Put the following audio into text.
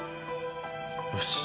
よし。